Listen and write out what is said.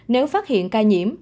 nếu phát hiện ca nhiễm